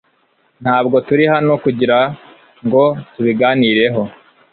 Ntabwo turi hano kugirango tubiganireho .